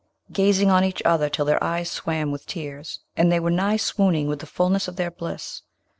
gazing on each other till their eyes swam with tears, and they were nigh swooning with the fulness of their bliss.